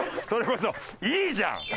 それこそいいじゃん。